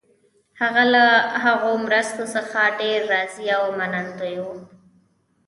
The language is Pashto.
هغه له هغو مرستو څخه ډېر راضي او منندوی وو.